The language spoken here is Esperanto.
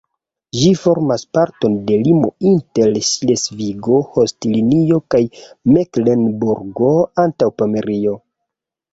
Ĝi formas parton de limo inter Ŝlesvigo-Holstinio kaj Meklenburgo-Antaŭpomerio.